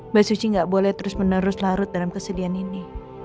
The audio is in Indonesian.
mbak suci nggak boleh terus menerus larut dalam kesedihan ini